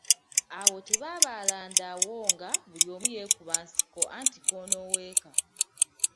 Awo tebaabandaalawo nga buli omu yeekuba nsiko anti k’onooweeka.